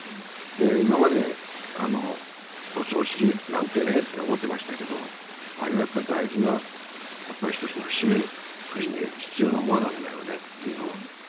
今までお葬式なんてねって思ってましたけどあれはやっぱり大事な一つの節目として必要なものなんだよねっていうのを。